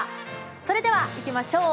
それではいきましょう。